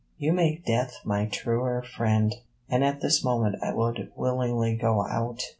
You make Death my truer friend, and at this moment I would willingly go out.